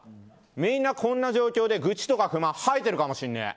みんなこんな状況で愚痴とか不満吐いてるかもしれねえ。